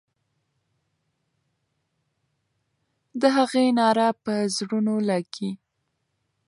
د هغې ناره به پر زړونو لګي.